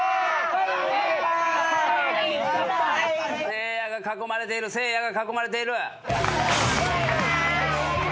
せいやが囲まれているせいやが囲まれている。